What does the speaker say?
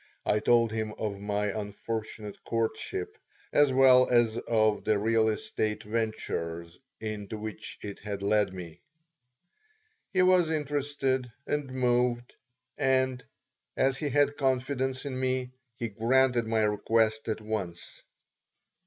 I told him of my unfortunate courtship as well as of the real estate ventures into which it had led me He was interested and moved, and, as he had confidence in me, he granted my request at once.